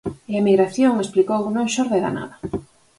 E a emigración, explicou, non xorde da nada.